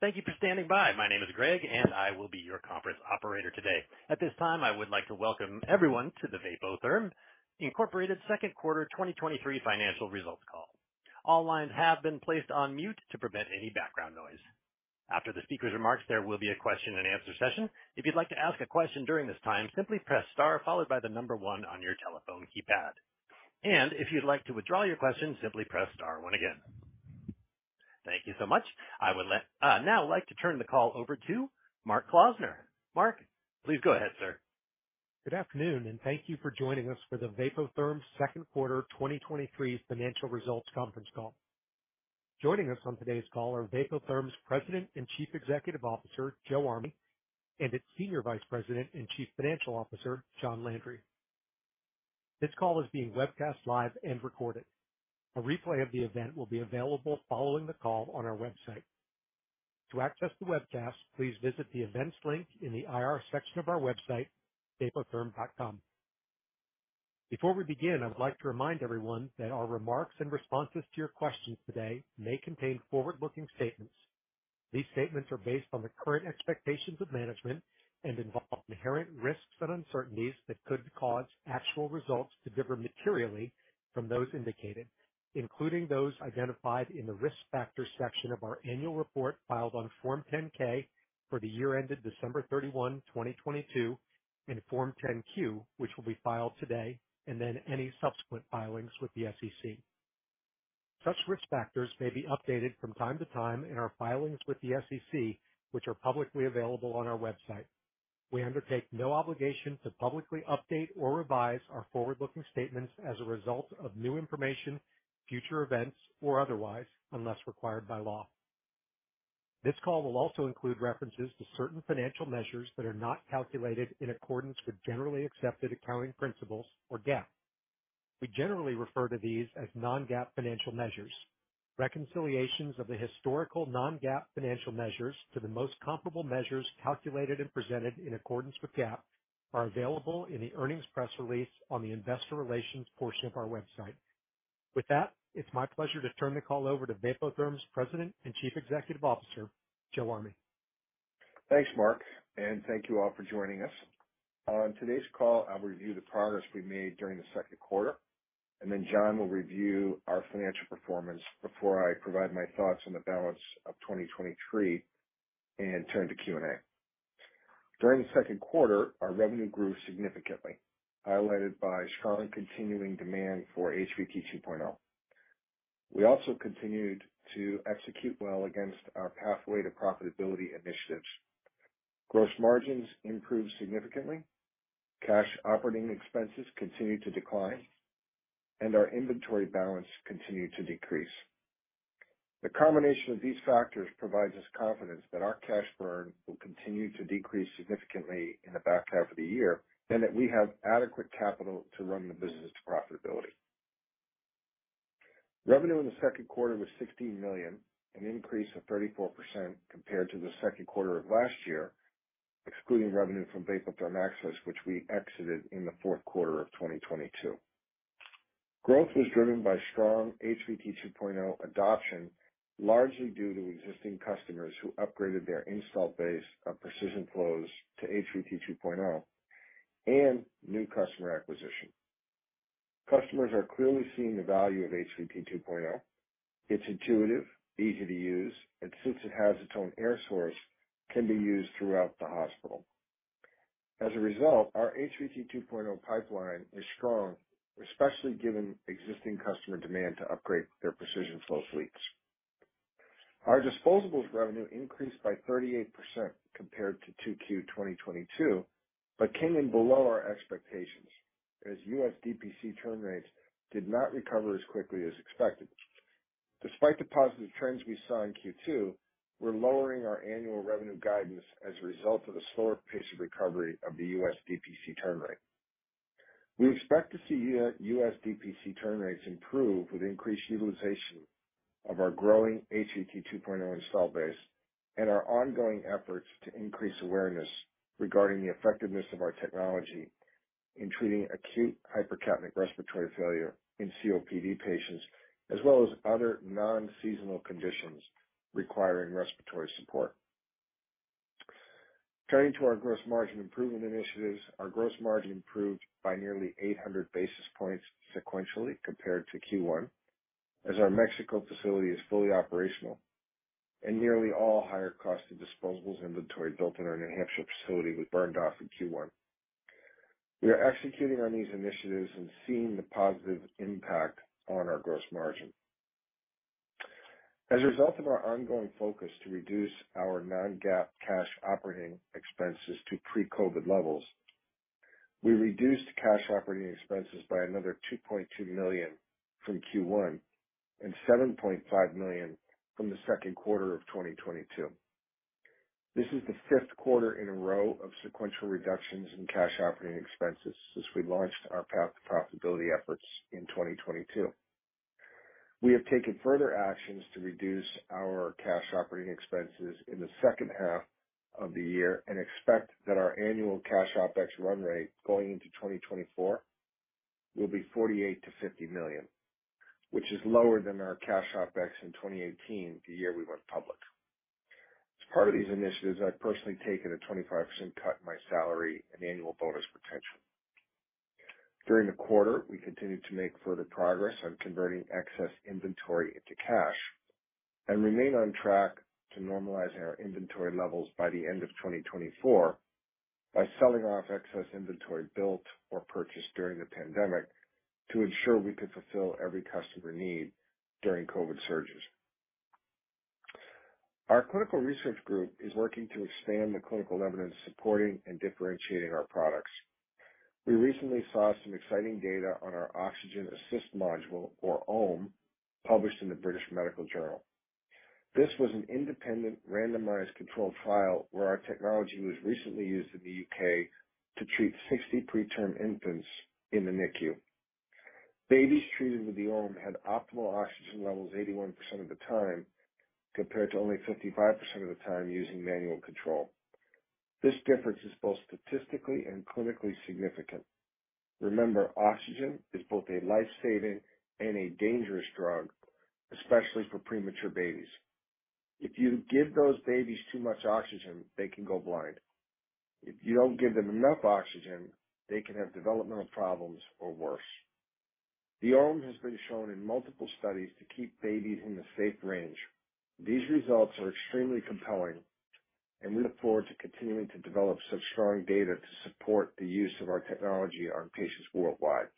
Thank you for standing by. My name is Greg, I will be your conference operator today. At this time, I would like to welcome everyone to the Vapotherm, Incorporated second quarter 2023 financial results call. All lines have been placed on mute to prevent any background noise. After the speaker's remarks, there will be a question and answer session. If you'd like to ask a question during this time, simply press star followed by 1 on your telephone keypad. If you'd like to withdraw your question, simply press star one again. Thank you so much. I would now like to turn the call over to Mark Klausner. Mark, please go ahead, sir. Good afternoon, and thank you for joining us for the Vapotherm second quarter 2023 financial results conference call. Joining us on today's call are Vapotherm's President and Chief Executive Officer, Joe Army, and its Senior Vice President and Chief Financial Officer, John Landry. This call is being webcast live and recorded. A replay of the event will be available following the call on our website. To access the webcast, please visit the events link in the IR section of our website, vapotherm.com. Before we begin, I would like to remind everyone that our remarks and responses to your questions today may contain forward-looking statements. These statements are based on the current expectations of management and involve inherent risks and uncertainties that could cause actual results to differ materially from those indicated, including those identified in the Risk Factors section of our annual report, filed on Form 10-K for the year ended December 31, 2022, and Form 10-Q, which will be filed today, and then any subsequent filings with the SEC. Such risk factors may be updated from time to time in our filings with the SEC, which are publicly available on our website. We undertake no obligation to publicly update or revise our forward-looking statements as a result of new information, future events, or otherwise, unless required by law. This call will also include references to certain financial measures that are not calculated in accordance with generally accepted accounting principles, or GAAP. We generally refer to these as non-GAAP financial measures. Reconciliations of the historical non-GAAP financial measures to the most comparable measures calculated and presented in accordance with GAAP are available in the earnings press release on the investor relations portion of our website. With that, it's my pleasure to turn the call over to Vapotherm's President and Chief Executive Officer, Joe Army. Thanks, Mark. Thank you all for joining us. On today's call, I'll review the progress we made during the second quarter, then John will review our financial performance before I provide my thoughts on the balance of 2023 and turn to Q&A. During the second quarter, our revenue grew significantly, highlighted by strong continuing demand for HVT 2.0. We also continued to execute well against our Path to Profitability initiatives. Gross margins improved significantly, cash operating expenses continued to decline, and our inventory balance continued to decrease. The combination of these factors provides us confidence that our cash burn will continue to decrease significantly in the back half of the year, and that we have adequate capital to run the business to profitability. Revenue in the second quarter was $16 million, an increase of 34% compared to the second quarter of last year, excluding revenue from Vapotherm Access, which we exited in the fourth quarter of 2022. Growth was driven by strong HVT 2.0 adoption, largely due to existing customers who upgraded their install base of Precision Flows to HVT 2.0 and new customer acquisition. Customers are clearly seeing the value of HVT 2.0. It's intuitive, easy to use, and since it has its own air source, can be used throughout the hospital. As a result, our HVT 2.0 pipeline is strong, especially given existing customer demand to upgrade their Precision Flow fleets. Our disposables revenue increased by 38% compared to 2Q 2022, but came in below our expectations as U.S. DPC turn rates did not recover as quickly as expected. Despite the positive trends we saw in Q2, we're lowering our annual revenue guidance as a result of the slower pace of recovery of the U.S. DPC turn rate. We expect to see U.S. DPC turn rates improve with increased utilization of our growing HVT 2.0 install base and our ongoing efforts to increase awareness regarding the effectiveness of our technology in treating acute hypercapnic respiratory failure in COPD patients, as well as other non-seasonal conditions requiring respiratory support. Turning to our gross margin improvement initiatives. Our gross margin improved by nearly 800 basis points sequentially compared to Q1, as our Mexico facility is fully operational and nearly all higher cost of disposables inventory built in our New Hampshire facility was burned off in Q1. We are executing on these initiatives and seeing the positive impact on our gross margin. As a result of our ongoing focus to reduce our non-GAAP cash operating expenses to pre-COVID levels, we reduced cash operating expenses by another $2.2 million from Q1 and $7.5 million from the second quarter of 2022. This is the fifth quarter in a row of sequential reductions in cash operating expenses since we launched our Path to Profitability efforts in 2022. We have taken further actions to reduce our cash operating expenses in the second half of the year and expect that our annual cash OpEx run rate going into 2024 will be $48 million-$50 million, which is lower than our cash OpEx in 2018, the year we went public. As part of these initiatives, I've personally taken a 25% cut in my salary and annual bonus potential. During the quarter, we continued to make further progress on converting excess inventory into cash and remain on track to normalize our inventory levels by the end of 2024, by selling off excess inventory built or purchased during the pandemic to ensure we could fulfill every customer need during COVID surges. Our clinical research group is working to expand the clinical evidence supporting and differentiating our products. We recently saw some exciting data on our Oxygen Assist Module, or OAM, published in The BMJ. This was an independent, randomized controlled trial, where our technology was recently used in the UK to treat 60 preterm infants in the NICU. Babies treated with the OAM had optimal oxygen levels 81% of the time, compared to only 55% of the time using manual control. This difference is both statistically and clinically significant. Remember, oxygen is both a life-saving and a dangerous drug, especially for premature babies. If you give those babies too much oxygen, they can go blind. If you don't give them enough oxygen, they can have developmental problems or worse. The OAM has been shown in multiple studies to keep babies in the safe range. These results are extremely compelling, and we look forward to continuing to develop such strong data to support the use of our technology on patients worldwide.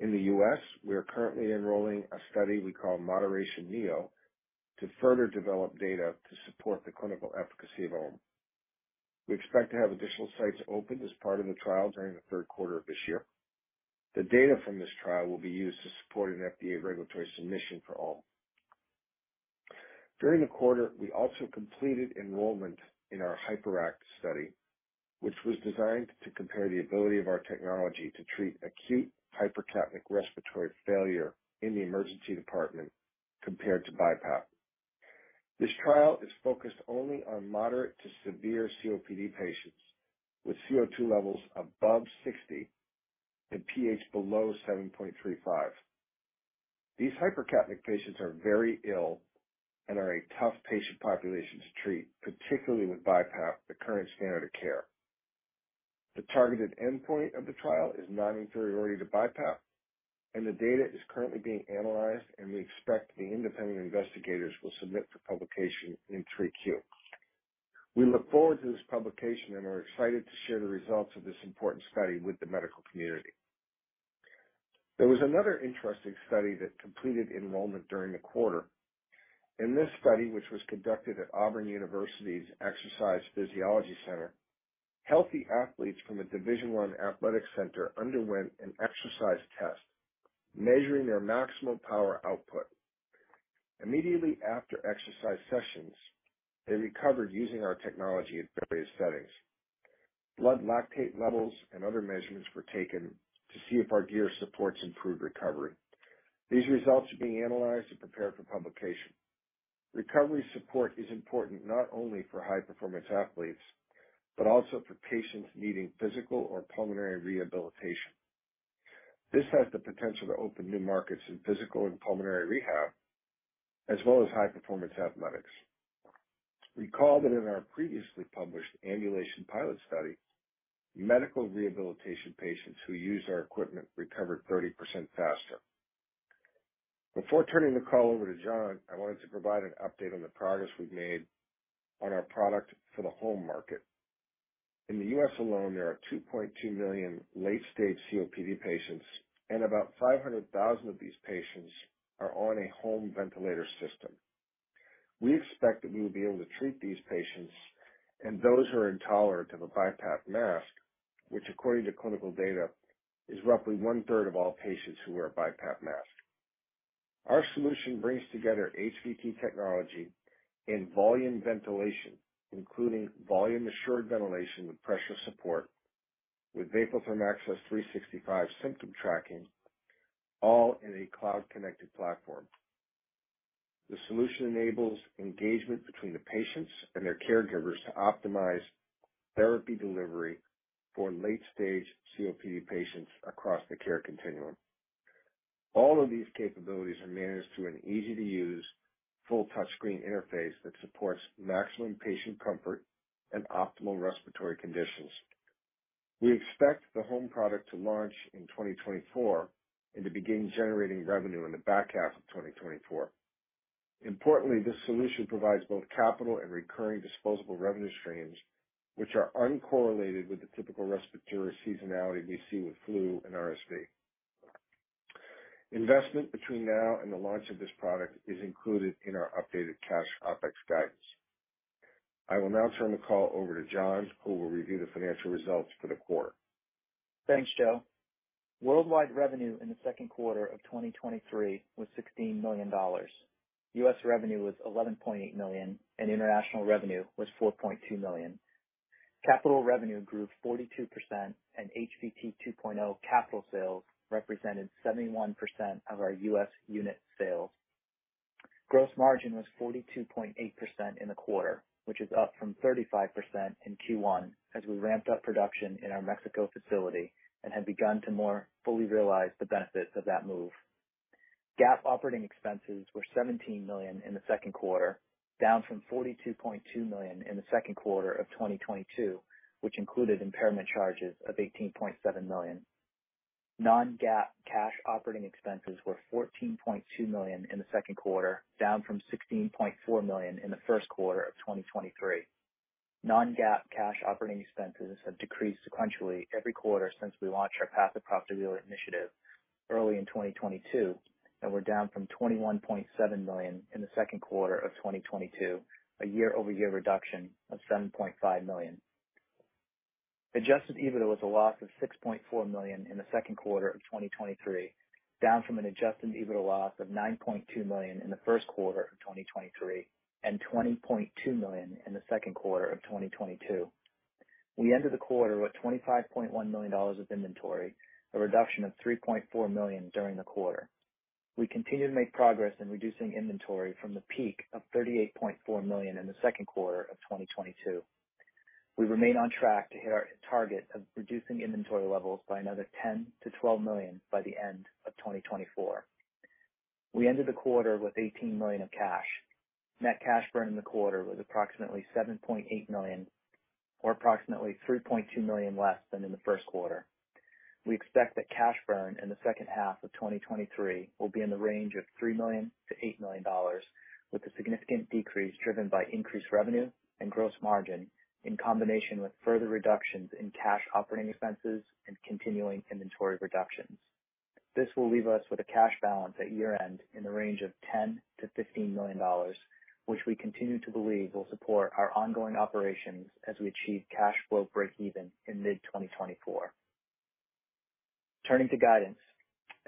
In the U.S., we are currently enrolling a study we call Moderation Neo, to further develop data to support the clinical efficacy of OAM. We expect to have additional sites open as part of the trial during the third quarter of this year. The data from this trial will be used to support an FDA regulatory submission for OAM. During the quarter, we also completed enrollment in our HYPERACT study, which was designed to compare the ability of our technology to treat acute hypercapnic respiratory failure in the emergency department compared to BiPAP. This trial is focused only on moderate to severe COPD patients with CO2 levels above 60 and PH below 7.35. These hypercapnic patients are very ill and are a tough patient population to treat, particularly with BiPAP, the current standard of care. The targeted endpoint of the trial is non-inferiority to BiPAP, and the data is currently being analyzed, and we expect the independent investigators will submit for publication in 3Q. We look forward to this publication and are excited to share the results of this important study with the medical community. There was another interesting study that completed enrollment during the quarter. In this study, which was conducted at Auburn University's Exercise Physiology Center, healthy athletes from a Division One athletic center underwent an exercise test measuring their maximum power output. Immediately after exercise sessions, they recovered using our technology in various settings. Blood lactate levels and other measurements were taken to see if our gear supports improved recovery. These results are being analyzed and prepared for publication. Recovery support is important not only for high-performance athletes, but also for patients needing physical or pulmonary rehabilitation. This has the potential to open new markets in physical and pulmonary rehab, as well as high-performance athletics. Recall that in our previously published ambulation pilot study, medical rehabilitation patients who used our equipment recovered 30% faster. Before turning the call over to John, I wanted to provide an update on the progress we've made on our product for the home market. In the US alone, there are 2.2 million late-stage COPD patients, and about 500,000 of these patients are on a home ventilator system. We expect that we will be able to treat these patients and those who are intolerant of a BiPAP mask, which according to clinical data, is roughly one-third of all patients who wear a BiPAP mask. Our solution brings together HVT technology and volume assured ventilation with pressure support, with Vapotherm Access 365 symptom tracking, all in a cloud-connected platform. The solution enables engagement between the patients and their caregivers to optimize therapy delivery for late-stage COPD patients across the care continuum. All of these capabilities are managed through an easy-to-use full touchscreen interface that supports maximum patient comfort and optimal respiratory conditions. We expect the home product to launch in 2024 and to begin generating revenue in the back half of 2024. Importantly, this solution provides both capital and recurring disposable revenue streams, which are uncorrelated with the typical respiratory seasonality we see with flu and RSV. Investment between now and the launch of this product is included in our updated cash OpEx guidance. I will now turn the call over to John, who will review the financial results for the quarter. Thanks, Joe. Worldwide revenue in the second quarter of 2023 was $16 million. U.S. revenue was $11.8 million, and international revenue was $4.2 million. Capital revenue grew 42%, and HVT 2.0 capital sales represented 71% of our U.S. unit sales....Gross margin was 42.8% in the quarter, which is up from 35% in Q1 as we ramped up production in our Mexico facility and have begun to more fully realize the benefits of that move. GAAP operating expenses were $17 million in the second quarter, down from $42.2 million in the second quarter of 2022, which included impairment charges of $18.7 million. non-GAAP cash operating expenses were $14.2 million in the second quarter, down from $16.4 million in the first quarter of 2023. Non-GAAP cash operating expenses have decreased sequentially every quarter since we launched our Path to Profitability initiative early in 2022, and we're down from $21.7 million in the second quarter of 2022, a year-over-year reduction of $7.5 million. Adjusted EBITDA was a loss of $6.4 million in the second quarter of 2023, down from an Adjusted EBITDA loss of $9.2 million in the first quarter of 2023 and $20.2 million in the second quarter of 2022. We ended the quarter with $25.1 million of inventory, a reduction of $3.4 million during the quarter. We continue to make progress in reducing inventory from the peak of $38.4 million in the second quarter of 2022. We remain on track to hit our target of reducing inventory levels by another $10 million-$12 million by the end of 2024. We ended the quarter with $18 million of cash. Net cash burn in the quarter was approximately $7.8 million, or approximately $3.2 million less than in the first quarter. We expect that cash burn in the second half of 2023 will be in the range of $3 million-$8 million, with a significant decrease driven by increased revenue and gross margin, in combination with further reductions in cash operating expenses and continuing inventory reductions. This will leave us with a cash balance at year-end in the range of $10 million-$15 million, which we continue to believe will support our ongoing operations as we achieve cash flow breakeven in mid-2024. Turning to guidance.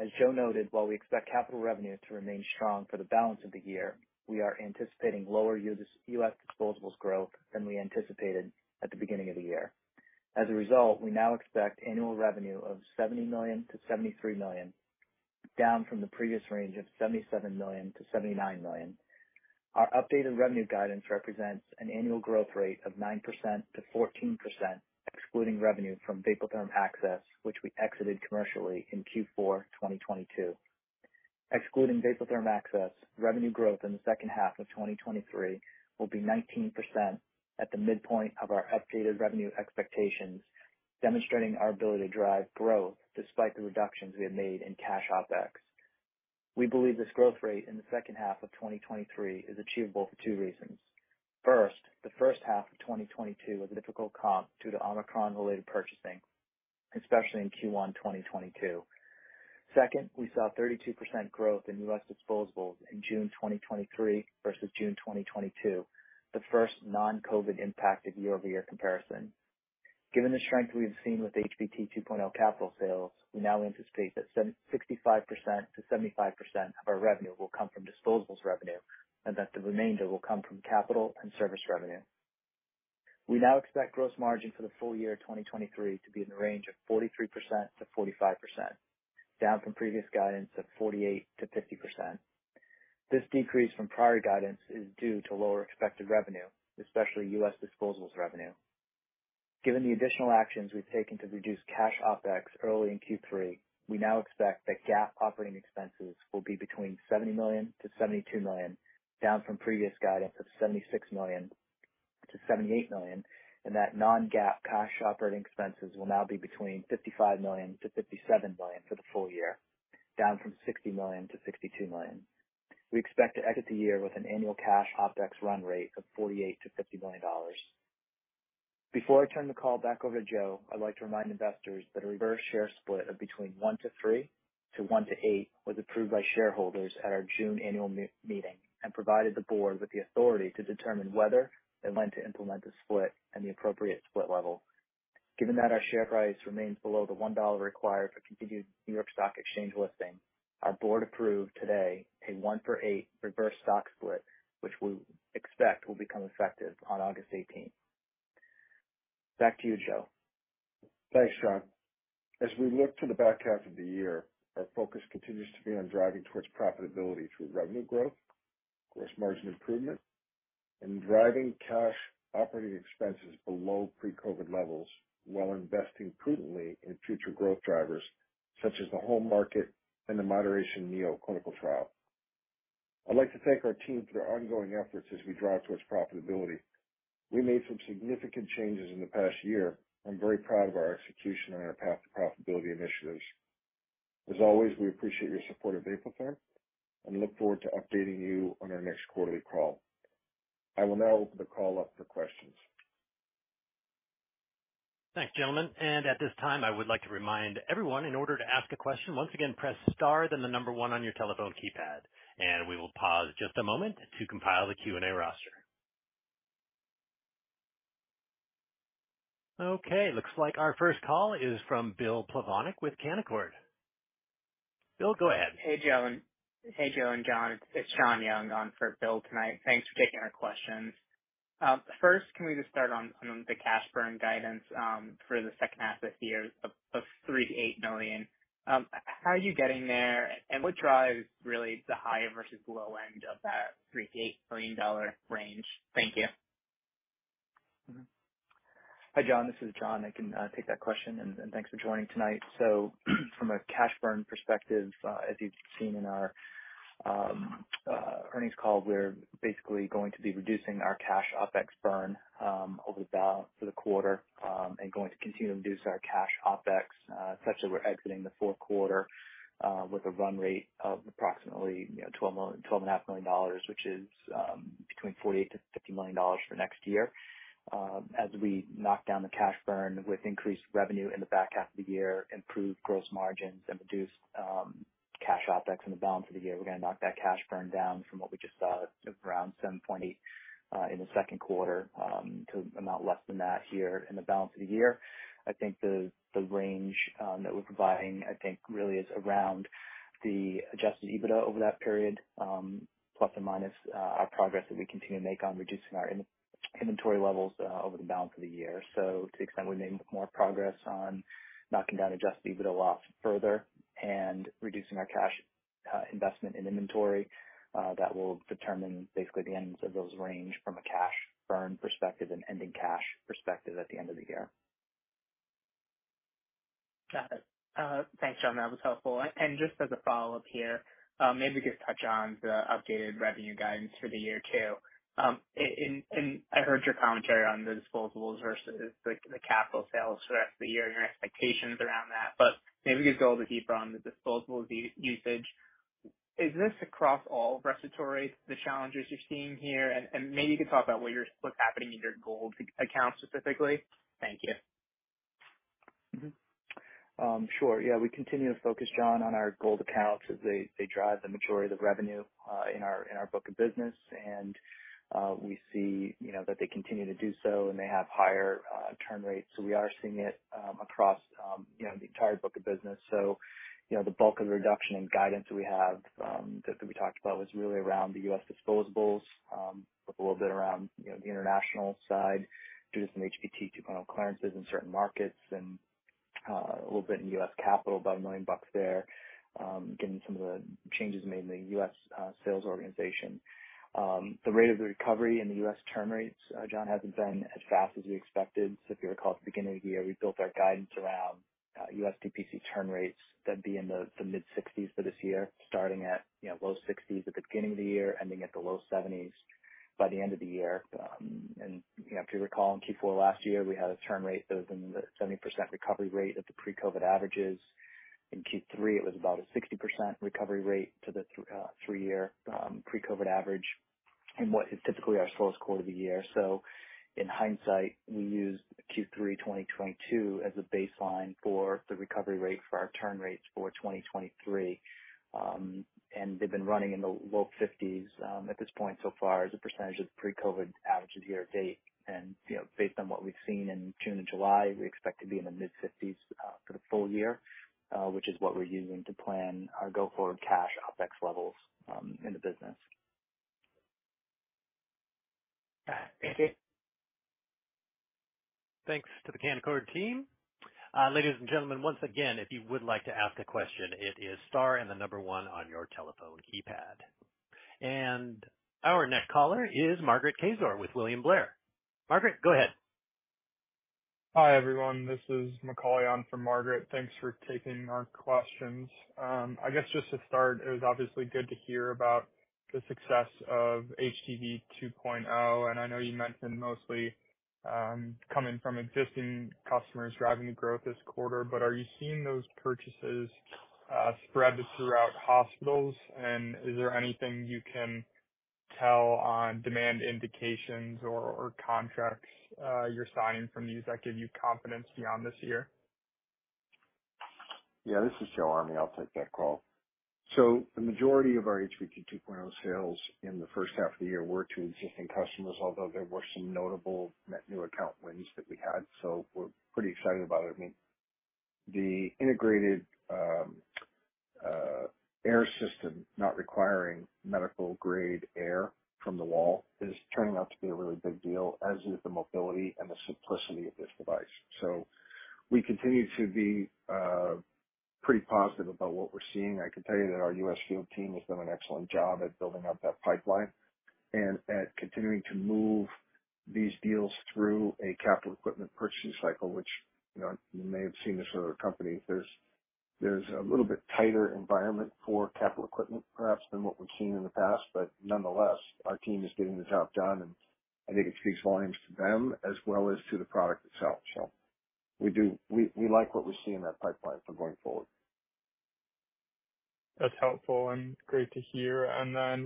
As Joe noted, while we expect capital revenue to remain strong for the balance of the year, we are anticipating lower US disposables growth than we anticipated at the beginning of the year. As a result, we now expect annual revenue of $70 million-$73 million, down from the previous range of $77 million-$79 million. Our updated revenue guidance represents an annual growth rate of 9%-14%, excluding revenue from Vapotherm Access, which we exited commercially in Q4 2022. Excluding Vapotherm Access, revenue growth in the second half of 2023 will be 19% at the midpoint of our updated revenue expectations, demonstrating our ability to drive growth despite the reductions we have made in cash OpEx. We believe this growth rate in the second half of 2023 is achievable for two reasons. First, the first half of 2022 was a difficult comp due to Omicron-related purchasing, especially in Q1 2022. Second, we saw 32% growth in US disposables in June 2023 versus June 2022, the first non-COVID impacted year-over-year comparison. Given the strength we've seen with HVT 2.0 capital sales, we now anticipate that 65%-75% of our revenue will come from disposables revenue and that the remainder will come from capital and service revenue. We now expect gross margin for the full year 2023 to be in the range of 43%-45%, down from previous guidance of 48%-50%. This decrease from prior guidance is due to lower expected revenue, especially US disposables revenue. Given the additional actions we've taken to reduce cash OpEx early in Q3, we now expect that GAAP operating expenses will be between $70 million-$72 million, down from previous guidance of $76 million-$78 million, and that non-GAAP cash operating expenses will now be between $55 million-$57 million for the full year, down from $60 million-$62 million. We expect to exit the year with an annual cash OpEx run rate of $48 million-$50 million. Before I turn the call back over to Joe, I'd like to remind investors that a reverse share split of between 1 to 3 to 1 to 8 was approved by shareholders at our June annual meeting, and provided the board with the authority to determine whether they want to implement the split and the appropriate split level. Given that our share price remains below the $1 required for continued New York Stock Exchange listing, our board approved today a 1-for-8 reverse stock split, which we expect will become effective on August 18th. Back to you, Joe. Thanks, Sean. As we look to the back half of the year, our focus continues to be on driving towards profitability through revenue growth, gross margin improvement, and driving cash operating expenses below pre-COVID levels, while investing prudently in future growth drivers such as the home market and the Moderation Neo clinical trial. I'd like to thank our team for their ongoing efforts as we drive towards profitability. We made some significant changes in the past year. I'm very proud of our execution and our Path to Profitability initiatives. As always, we appreciate your support of Vapotherm and look forward to updating you on our next quarterly call. I will now open the call up for questions. Thanks, gentlemen. At this time, I would like to remind everyone, in order to ask a question, once again, press star, then the 1 on your telephone keypad, and we will pause just a moment to compile the Q&A roster. Okay, looks like our first call is from Bill Plovanic with Canaccord. Bill, go ahead. Hey, Joe and John, it's Sean Young on for Bill tonight. Thanks for taking our questions. First, can we just start on, on the cash burn guidance for the second half of the year of, of $3 million-$8 million? How are you getting there, and what drives really the high versus low end of that $3 million-$8 million range? Thank you. Hi, John, this is John. I can take that question, and thanks for joining tonight. From a cash burn perspective, as you've seen in our earnings call, we're basically going to be reducing our cash OpEx burn over the for the quarter, and going to continue to reduce our cash OpEx such that we're exiting the fourth quarter with a run rate of approximately, you know, $12.5 million, which is between $48 million-$50 million for next year. As we knock down the cash burn with increased revenue in the back half of the year, improved gross margins, and reduced cash OpEx in the balance of the year, we're gonna knock that cash burn down from what we just saw at around $7.8 in the second quarter to an amount less than that here in the balance of the year. The range that we're providing really is around the Adjusted EBITDA over that period plus or minus our progress that we continue to make on reducing our inventory levels over the balance of the year. To the extent we make more progress on knocking down Adjusted EBITDA loss further and reducing our cash, investment in inventory, that will determine basically the ends of those range from a cash burn perspective and ending cash perspective at the end of the year. Got it. Thanks, John, that was helpful. Just as a follow-up here, maybe just touch on the updated revenue guidance for the year too. I heard your commentary on the disposables versus the, the capital sales throughout the year and your expectations around that, but maybe you could go a little deeper on the disposable usage. Is this across all respiratory, the challenges you're seeing here? Maybe you could talk about what's happening in your gold account specifically. Thank you. Mm-hmm. Sure. Yeah, we continue to focus, John, on our gold accounts, as they, they drive the majority of the revenue in our, in our book of business. We see, you know, that they continue to do so, and they have higher turn rates. We are seeing it across, you know, the entire book of business. You know, the bulk of the reduction in guidance we have that, that we talked about was really around the US disposables with a little bit around, you know, the international side due to some HVT 2.0 clearances in certain markets and a little bit in US capital, about $1 million there, again, some of the changes made in the US sales organization. The rate of the recovery in the U.S. turn rates, John, hasn't been as fast as we expected. If you recall, at the beginning of the year, we built our guidance around U.S. DPC turn rates that'd be in the mid-60s for this year, starting at, you know, low 60s at the beginning of the year, ending at the low 70s by the end of the year. And, you know, if you recall, in Q4 last year, we had a turn rate that was in the 70% recovery rate of the pre-COVID averages. In Q3, it was about a 60% recovery rate to the 3-year pre-COVID average in what is typically our slowest quarter of the year. In hindsight, we used Q3 2022 as a baseline for the recovery rate for our turn rates for 2023. They've been running in the low 50s at this point so far as a % of the pre-COVID averages year to date. You know, based on what we've seen in June and July, we expect to be in the mid-50s for the full year, which is what we're using to plan our go-forward cash OpEx levels in the business. Got it. Thank you. Thanks to the Canaccord team. Ladies and gentlemen, once again, if you would like to ask a question, it is star and the number 1 on your telephone keypad. Our next caller is Margaret Kaczor with William Blair. Margaret, go ahead. Hi, everyone, this is Macauley on for Margaret. Thanks for taking our questions. I guess just to start, it was obviously good to hear about the success of HVT 2.0, and I know you mentioned mostly coming from existing customers driving the growth this quarter, but are you seeing those purchases spread throughout hospitals? Is there anything you can tell on demand indications or contracts you're signing from these that give you confidence beyond this year? Yeah, this is Joe Army. I'll take that call. The majority of our HVT 2.0 sales in the 1st half of the year were to existing customers, although there were some notable net new account wins that we had. We're pretty excited about it. I mean, the integrated air system, not requiring medical-grade air from the wall, is turning out to be a really big deal, as is the mobility and the simplicity of this device. We continue to be pretty positive about what we're seeing. I can tell you that our U.S. field team has done an excellent job at building out that pipeline and at continuing to move these deals through a capital equipment purchasing cycle, which, you know, you may have seen this with other companies. There's a little bit tighter environment for capital equipment, perhaps, than what we've seen in the past. Nonetheless, our team is getting the job done. I think it speaks volumes to them as well as to the product itself. We do, we like what we see in that pipeline for going forward. That's helpful and great to hear.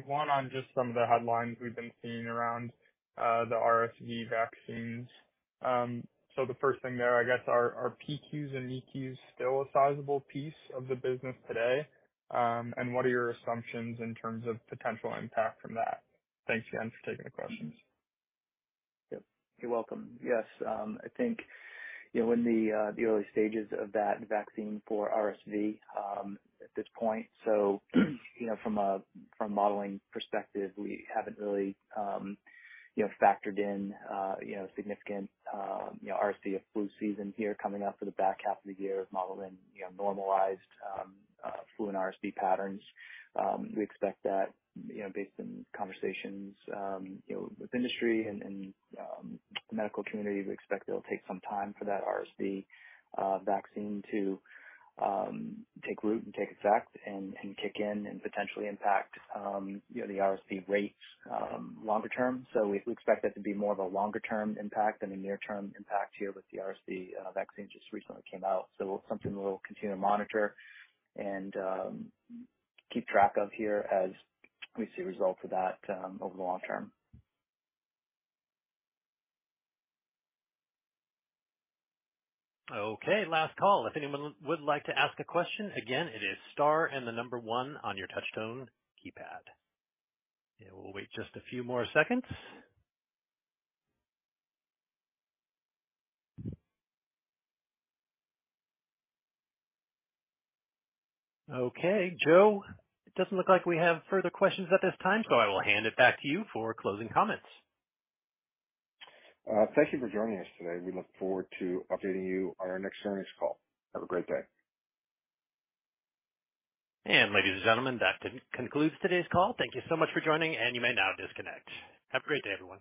One on just some of the headlines we've been seeing around the RSV vaccines. The first thing there, I guess, are PQs and EQs still a sizable piece of the business today? What are your assumptions in terms of potential impact from that? Thanks again for taking the questions. Yep, you're welcome. Yes, I think, you know, in the early stages of that vaccine for RSV at this point. From a modeling perspective, we haven't really, you know, factored in, you know, significant, you know, RSV or flu season here coming up for the back half of the year of modeling, you know, normalized flu and RSV patterns. We expect that, you know, based on conversations, you know, with industry and, and, medical communities, we expect it'll take some time for that RSV vaccine to take root and take effect and, and kick in, and potentially impact, you know, the RSV rates longer term. We expect that to be more of a longer-term impact than a near-term impact here with the RSV vaccine just recently came out. Something we'll continue to monitor and keep track of here as we see results of that over the long term. Okay, last call. If anyone would like to ask a question, again, it is star and the number 1 on your touchtone keypad. We'll wait just a few more seconds. Okay, Joe, it doesn't look like we have further questions at this time, so I will hand it back to you for closing comments. Thank you for joining us today. We look forward to updating you on our next earnings call. Have a great day. Ladies and gentlemen, that concludes today's call. Thank you so much for joining, and you may now disconnect. Have a great day, everyone.